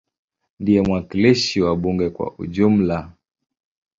Ndiye mwakilishi wa bunge kwa ujumla.